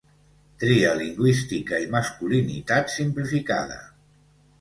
Tria lingüística i masculinitat simplificada.